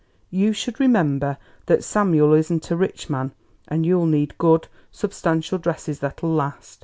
You should remember that Samuel isn't a rich man, and you'll need good, substantial dresses that'll last.